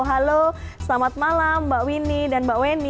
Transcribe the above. halo selamat malam mbak winnie dan mbak weni